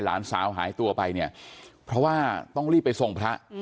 หลานสาวหายตัวไปเนี่ยเพราะว่าต้องรีบไปส่งพระ